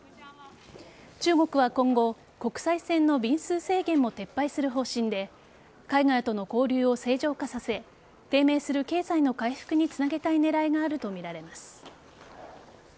中国は今後国際線の便数制限を撤廃する方針で海外との交流を正常化させ低迷する経済の回復につなげたい狙いがあるとみられます。